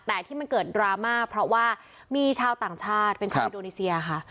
แต่ที่มันเกิดดราม่าเพราะว่ามีชาวต่างชาติเป็นชาวอินโดนีเซียค่ะ